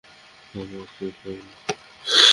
থামো, আস্তে আস্তে বলো।